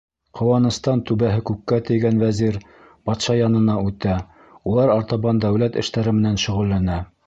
Ҡыуаныстан түбәһе күккә тейгән вәзир батша янына үтә, улар артабан дәүләт эштәре менән шөғөлләнә.